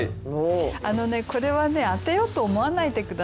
あのねこれはね当てようと思わないで下さい。